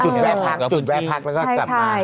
จุดแวะพักแล้วก็กลับมา